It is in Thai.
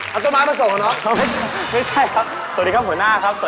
ไม่ใช่ครับสวัสดีครับหัวหน้าครับ